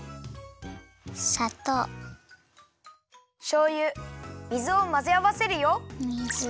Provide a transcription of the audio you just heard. しょうゆ水をまぜあわせるよ。